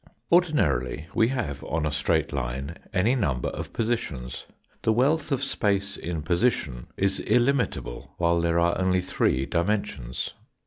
Ordinarily we have on a straight line any number of positions. The wealth of space in position is illimitable, while there are only three dimensions.